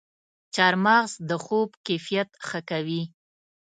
چارمغز د خوب کیفیت ښه کوي.